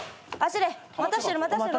待たしてる待たしてる。